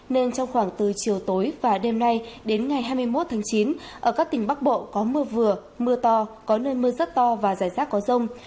nên trong khoảng từ chiều tối và đêm nay đến ngày hai mươi một tháng chín ở các tỉnh bắc bộ có mưa vừa mưa to có nơi mưa rất to và rải rác có rông